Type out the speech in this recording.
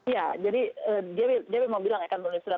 ya jadi dia memang bilang akan menulis surat